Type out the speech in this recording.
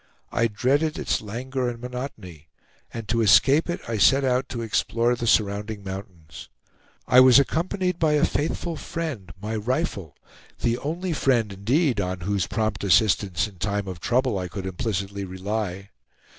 I dreaded its languor and monotony, and to escape it, I set out to explore the surrounding mountains. I was accompanied by a faithful friend, my rifle, the only friend indeed on whose prompt assistance in time of trouble I could implicitly rely.